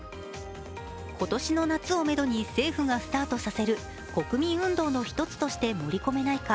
今年の夏をめどに、政府がスタートさせる国民運動の一つとして盛り込めないか